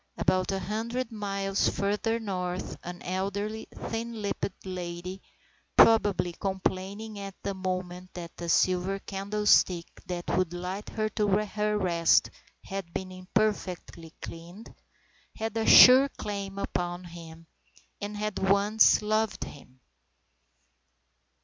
About a hundred miles further north an elderly, thin lipped lady (probably complaining at the moment that the silver candle stick that would light her to her rest had been imperfectly cleaned) had a sure claim upon him, and had once loved him.